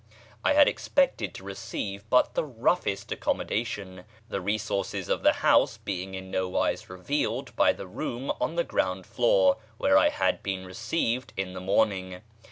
I had expected to receive but the roughest accommodation, the resources of the house being in nowise revealed by the room on the ground floor where I had been received in the morning.